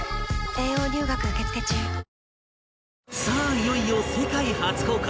いよいよ世界初公開！